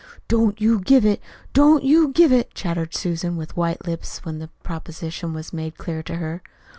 "Don't you give it, don't you give it!" chattered Susan, with white lips, when the proposition was made clear to her.